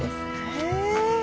へえ。